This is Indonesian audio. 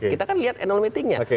kita kan lihat anal meetingnya